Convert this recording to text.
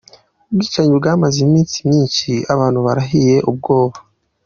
Ubwicanyi bwamaze iminsi myinshi abantu barahiye ubwoba.